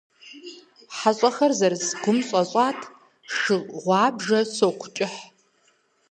ХьэщӀэхэр зэрыс гум щӀэщӀат шы гъуабжэ соку кӀыхь.